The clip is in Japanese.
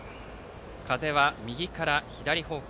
風は右から左方向。